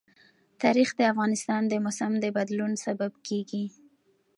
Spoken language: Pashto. تاریخ د افغانستان د موسم د بدلون سبب کېږي.